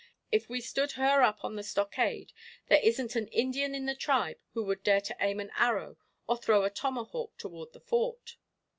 If we stood her up on the stockade, there isn't an Indian in the tribe who would dare to aim an arrow or throw a tomahawk toward the Fort."